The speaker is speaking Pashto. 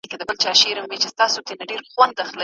ولي هوډمن سړی د مستحق سړي په پرتله هدف ترلاسه کوي؟